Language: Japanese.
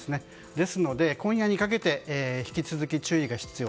ですので今夜にかけて引き続き注意が必要。